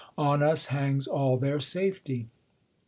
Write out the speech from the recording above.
On us hangs ali thefr safety.